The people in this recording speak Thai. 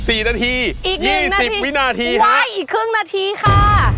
อีก๑นาที๒๐วินาทีครับอีก๑นาทีอีกครึ่งนาทีค่ะ